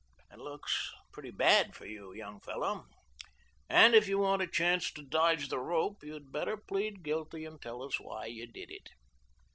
It looks pretty bad for you, young fellow, and if you want a chance to dodge the rope you'd better plead guilty and tell us why you did it."